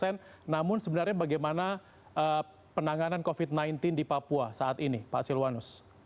namun sebenarnya bagaimana penanganan covid sembilan belas di papua saat ini pak silwanus